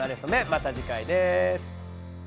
また次回です。